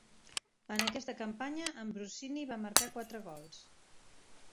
En aquesta campanya, Ambrosini va marcar quatre gols.